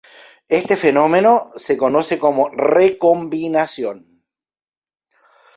Este fenómeno se conoce como "recombinación".